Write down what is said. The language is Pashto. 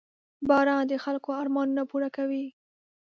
• باران د خلکو ارمانونه پوره کوي.